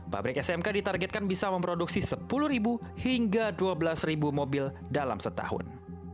pabrik smk ditargetkan bisa memproduksi sepuluh hingga dua belas mobil dalam setahun